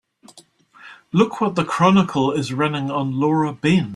Look what the Chronicle is running on Laura Ben.